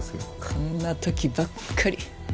こんな時ばっかり。